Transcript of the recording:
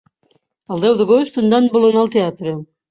El deu d'agost en Dan vol anar al teatre.